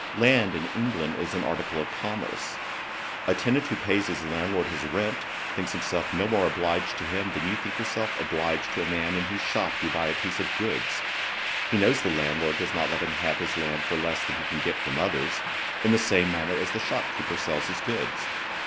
Land, in England, is an article of commerce. A tenant who pays his landlord his rent, thinks himself no more obliged to him than you think yourself obliged to a man in whose shop you buy a piece of goods. He knows the landlord does not let him have his land for less than he can get from others, in the same manner as the shopkeeper sells his goods.